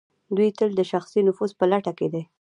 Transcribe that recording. دوی تل د شخصي نفوذ په لټه کې دي.